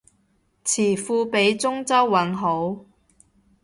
詞庫畀中州韻好